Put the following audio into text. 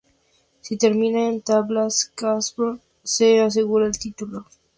Si terminaba en tablas Kaspárov se aseguraba el título.